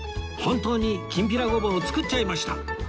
本当にきんぴらごぼうを作っちゃいました！